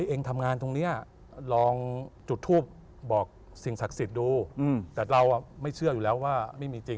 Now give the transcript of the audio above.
เองทำงานตรงนี้ลองจุดทูปบอกสิ่งศักดิ์สิทธิ์ดูแต่เราไม่เชื่ออยู่แล้วว่าไม่มีจริง